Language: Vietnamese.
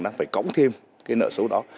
đang phải cống thêm cái nợ xấu đó